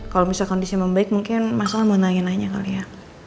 kalau bisa kondisi membaik mungkin mas al mau nanya nanya kali ya